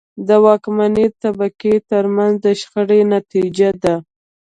د واکمنې طبقې ترمنځ د شخړې نتیجه ده.